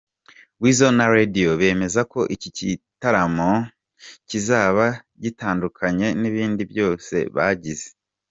Weasel na Radio bemeza ko iki gitaramo kizaba gitandukanye n'ibindi byose bagize.